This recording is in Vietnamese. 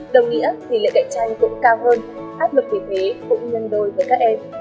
đồng nghĩa thì lệ cạnh tranh cũng cao hơn áp lực kỳ thế cũng nhân đôi với các em